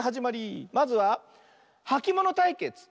まずははきものたいけつ。